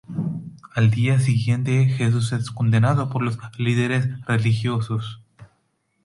Al día siguiente, Jesús es condenado por los líderes religiosos.